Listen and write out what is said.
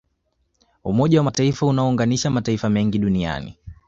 umoja wa mataifa unaounganisha mataifa mengi duniani